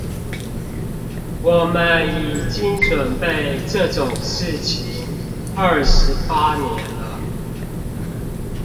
我們已經準備這種事情二十八年了